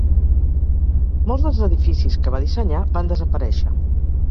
Molts dels edificis que va dissenyar van desaparèixer.